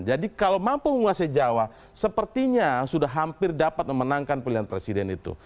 jadi kalau mampu menguasai jawa sepertinya sudah hampir dapat memenangkan pilihan presiden itu